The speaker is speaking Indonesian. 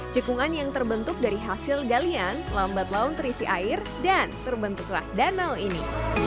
cekungan yang terbentuk dari hasil galian lambat laun terisi air dan terbentuklah danau ini